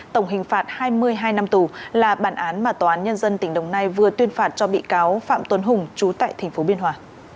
tổng hình phạt hai mươi hai năm tù là bản án mà tòa án nhân dân tỉnh đồng nai vừa tuyên phạt cho bị cáo phạm tuấn hùng trú tại tp biên hòa